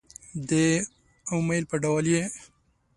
د امیل په ډول يې